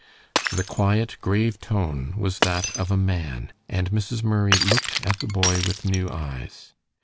The quiet, grave tone was that of a man, and Mrs. Murray looked at the boy with new eyes.